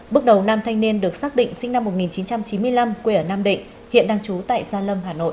bước đầu nam thanh niên được xác định sinh năm một nghìn chín trăm chín mươi năm quê ở nam định hiện đang trú tại gia lâm hà nội